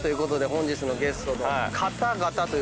本日のゲストの方々と。